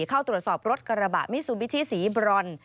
เข้าตรวจสอบรถกระบะมิซูบิชิสีบรอน